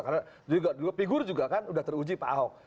karena juga figur juga kan sudah teruji pak ahok